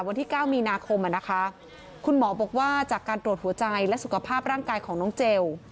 วันที่๙มีนาคมนะคะคุณหมอบอกว่าจากการตรวจหัวใจและสุขภาพร่างกายของน้องเจล